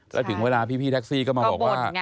ใช่รักจริงเวลาพี่แท็กซี่ก็มาบอกว่าก็บ่งไง